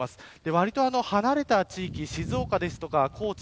わりと離れた地域静岡とか高知